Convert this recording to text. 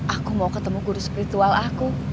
aku mau ketemu guru spiritual aku